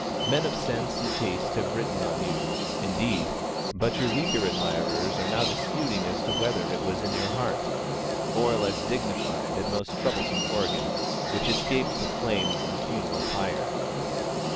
Men of sense and taste have written on you, indeed; but your weaker admirers are now disputing as to whether it was your heart, or a less dignified and most troublesome organ, which escaped the flames of the funeral pyre.